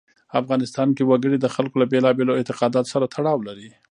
افغانستان کې وګړي د خلکو له بېلابېلو اعتقاداتو سره تړاو لري.